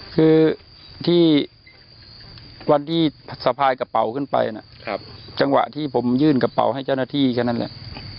คือที่วันที่สะพายกระเป๋าขึ้นไปนะจังหวะที่ผมยื่นกระเป๋าให้เจ้าหน้าที่แค่นั้นแหละ